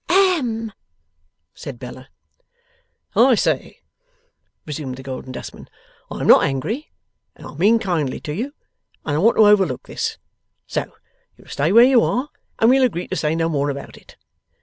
'I AM!' said Bella. 'I say,' resumed the Golden Dustman, 'I am not angry, and I mean kindly to you, and I want to overlook this. So you'll stay where you are, and we'll agree to say no more about it.